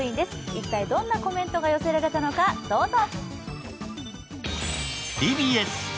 一体どんなコメントが寄せられたのか、どうぞ。